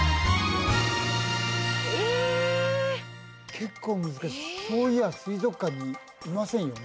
結構難しいそういや水族館にいませんよね